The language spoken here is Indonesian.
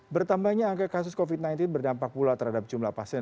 bertambahnya angka kasus covid sembilan belas berdampak pula terhadap jumlah pasien